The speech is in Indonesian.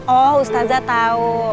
oh ustazah tau